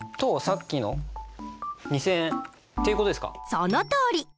そのとおり！